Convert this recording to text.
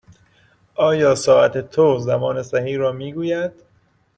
آیا ساعت تو زمان صحیح را می گوید؟